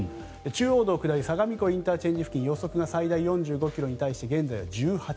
中央道下り相模湖ＩＣ予測が最大４５ｋｍに対し現在は１８ｋｍ。